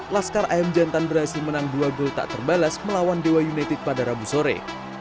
laskar ayam jantan berhasil menang dua gol tak terbalas melawan dewa united pada rabu sore